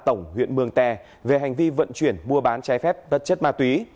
tổng huyện mường tè về hành vi vận chuyển mua bán trái phép chất ma túy